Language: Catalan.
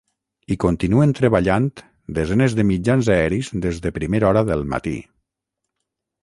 Hi continuen treballant desenes de mitjans aeris des de primera hora del matí.